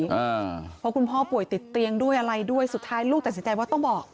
เพราะคุณพ่อป่วยติดเตียงด้วยอะไรด้วยสุดท้ายลูกตัดสินใจว่าต้องบอก